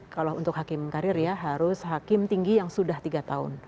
kalau untuk hakim karir ya harus hakim tinggi yang sudah tiga tahun